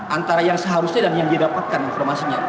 antara yang seharusnya dan yang didapatkan informasinya